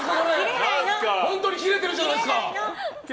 本当にキレてるじゃないですか。